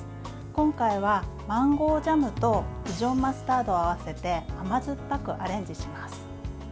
今回はマンゴージャムとディジョンマスタードを合わせて甘酸っぱくアレンジします。